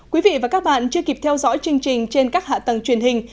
quý vị và các bạn chưa kịp theo dõi chương trình trên các hạ tầng truyền hình